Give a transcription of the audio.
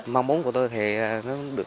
màu mốn của tôi thì nó được